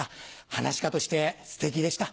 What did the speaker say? はなし家としてすてきでした。